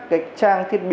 cách trang thiết bị